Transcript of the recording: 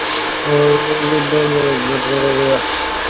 山蓼为蓼科山蓼属下的一个种。